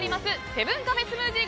セブンカフェスムージー